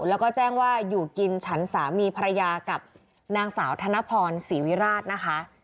แล้วก็แจ้งว่าอยู่กินฉันสามีภรรยากับนางสาวธนพรศรีวิราชนะคะ